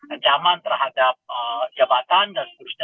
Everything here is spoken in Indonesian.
ancaman terhadap jabatan dan seterusnya